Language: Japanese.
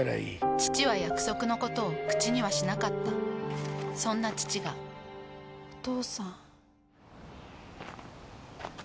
父は約束のことを口にはしなかったそんな父がお父さん。